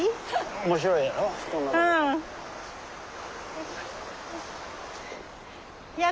面白いやろ？